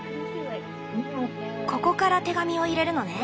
ここから手紙を入れるのね。